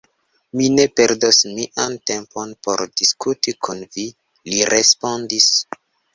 Mi ne perdos mian tempon por diskuti kun vi, li respondis.